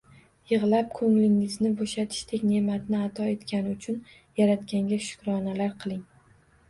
Yig’lab ko’nglingizni bo’shatishdek ne’matni ato etgani uchun Yaratganga shukronalar qiling!